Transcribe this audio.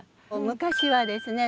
昔はですね